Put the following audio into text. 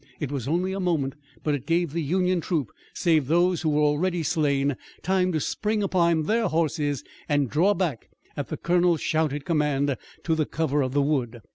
It was only a moment, but it gave the Union troop, save those who were already slain, time to spring upon their horses and draw back, at the colonel's shouted command, to the cover of the wood.